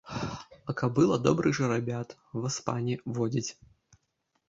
А кабыла добрых жарабят, васпане, водзіць.